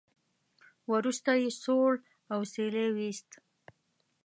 وروسته يې سوړ اسويلی وېست.